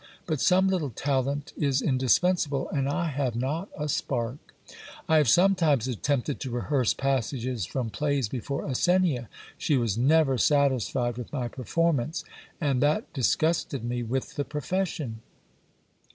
But some little talent is indispensable ; and I have not a spark. I have sometimes attempted to rehearse passages from plays before Arsenia. She was never satisfied with my performance ; and that disgusted me with the profession.